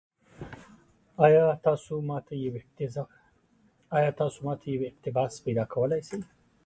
ایا تاسو ما ته یو اقتباس پیدا کولی شئ؟